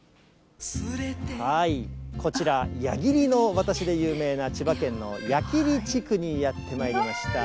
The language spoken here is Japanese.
こちら、矢切の渡しで有名な千葉県の矢切地区にやって来ました。